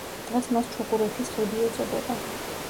დღეს მას ჩუღურეთის ხიდი ეწოდება.